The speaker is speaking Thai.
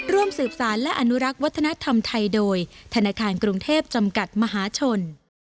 ร่วมสืบสารและอนุรักษ์วัฒนธรรมไทยโดยธนาคารกรุงเทพจำกัดมหาชน